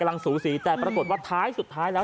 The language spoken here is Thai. เฮ้ยเฮ้ยเฮ้ยเฮ้ย